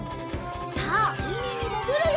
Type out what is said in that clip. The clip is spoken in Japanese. さあうみにもぐるよ！